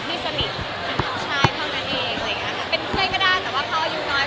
ที่สนิทเป็นชายเขากันเอง